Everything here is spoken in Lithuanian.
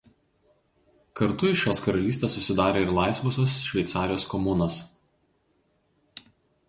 Kartu iš šios karalystės susidarė ir laisvosios Šveicarijos komunos.